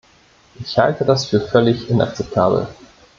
Ich halte das für völlig inakzeptabel.